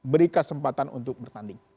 berikan kesempatan untuk bertanding